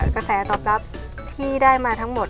กระแสตอบรับที่ได้มาทั้งหมด